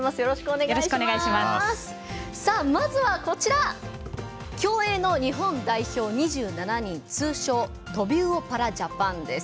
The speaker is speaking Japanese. まずは、競泳の日本代表２７人通称トビウオパラジャパンです。